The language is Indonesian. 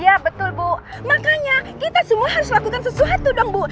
iya betul bu makanya kita semua harus lakukan sesuatu dong bu